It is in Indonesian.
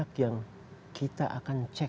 pihak yang kita akan cek